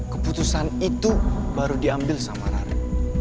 keputusan itu baru diambil sama rare